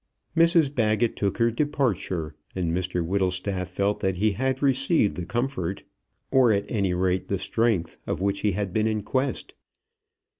Mrs Baggett took her departure, and Mr Whittlestaff felt that he had received the comfort, or at any rate the strength, of which he had been in quest.